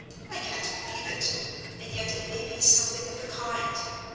I can't believe it, and yet it may be something of the kind.